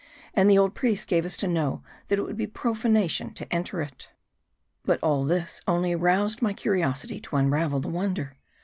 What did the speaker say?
And the old priest gave us to know, that it would be profanation to enter it. But all this only roused my curiosity to unravel the won der.